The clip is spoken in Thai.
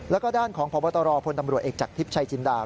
แล้วก็ด้านของพบตรพลตำรวจเอกจากทิพย์ชัยจินดา